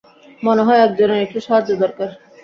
মনে হয় একজনের একটু সাহায্য দরকার।